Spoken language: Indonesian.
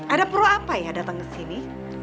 ada pro apa ya datang kesini